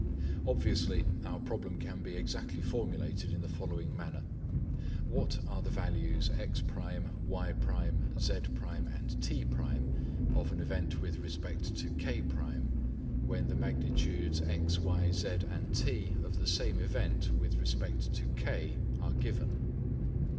Obviously our problem can be exactly formulated in the following manner. What are the values x1, y1, z1, t1, of an event with respect to K1, when the magnitudes x, y, z, t, of the same event with respect to K are given